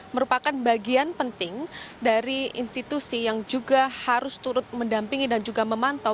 merupakan bagian penting dari institusi yang juga harus turut mendampingi dan juga memantau